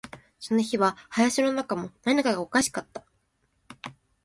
その日は林の中も、何かがおかしかった